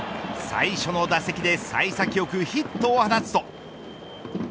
最初の打席で幸先良くヒットを放つと。